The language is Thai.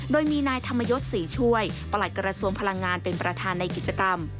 โดยมีนายธรรมยศศรีช่วยประหลัดกระทรวงพลังงานเป็นประธานในกิจกรรม